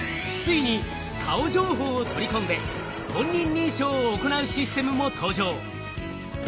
ついに顔情報を取り込んで本人認証を行うシステムも登場。